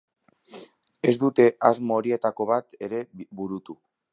Ez dute asmo horietako bat ere burutu.